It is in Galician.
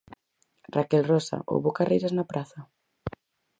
Raquel Rosa, houbo carreiras na praza?